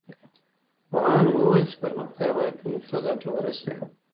پوهانو وويل چي پرمختيا بايد ټولو ته ګټه ورسوي.